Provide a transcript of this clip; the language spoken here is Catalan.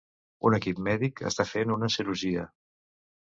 Un equip mèdic està fent una cirurgia